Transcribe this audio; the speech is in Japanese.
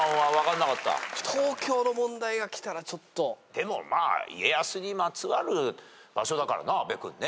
でも家康にまつわる場所だからな阿部君ね。